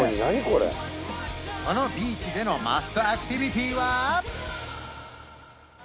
これこのビーチでのマストアクティビティは？